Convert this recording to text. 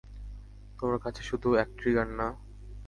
তোমার কাছে শুধু এক ট্রিগার না।